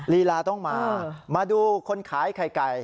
ลีลาต้องมามาดูคนขายไข่ไก่